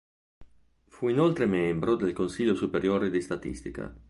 Fu inoltre membro del Consiglio superiore di statistica.